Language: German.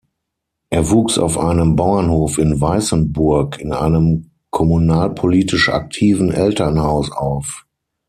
Er wuchs auf einem Bauernhof in Weißenburg in einem kommunalpolitisch aktiven Elternhaus auf.